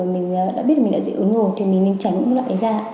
mình đã biết mình đã dị ứng rồi thì mình nên tránh các loại đấy ra